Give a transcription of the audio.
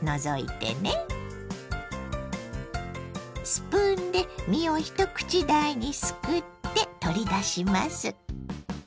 スプーンで実を一口大にすくって取り出します。